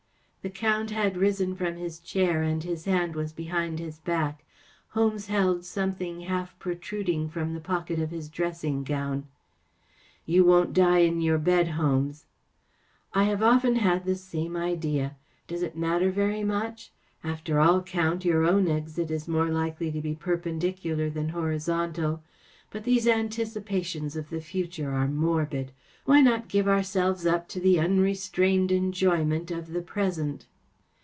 The Count had risen from his chair, and his hand was behind his back. Holmes held something half protruding from the pocket of his dressing gown. " You won't die in your bed, Holmes/* “ I have often had the same idea. Does it matter very much ? After all. Count, your own exit is more likely to be perpendicular than horizontal. But these anticipations of the future are morbid. Why not give our¬ selves up to the unrestrained enjoyment of the present